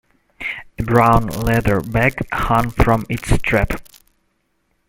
A brown leather bag hung from its strap.